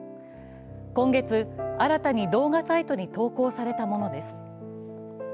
今月、新たに動画サイトに投稿されたものです。